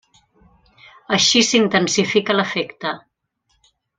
Així s'intensifica l'efecte.